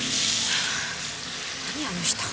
何あの人？